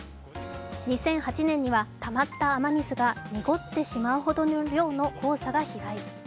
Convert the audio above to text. ２００８年にはたまった雨水が濁ってしまうほどの量の黄砂が飛来。